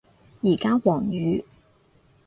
而家黃雨